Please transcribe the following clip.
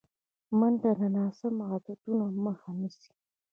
منډه د ناسم عادتونو مخه نیسي